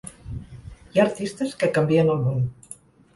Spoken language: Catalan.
Hi ha artistes que canvien el món.